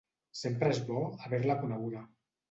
Sempre es bo haver-la coneguda